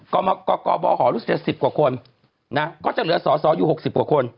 กรบบหอรุสเจ็ดสิบกว่าคนน่ะก็จะเหลือสอสออยู่หกสิบกว่าคน